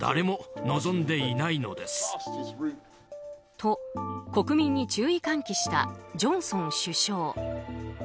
と、国民に注意喚起したジョンソン首相。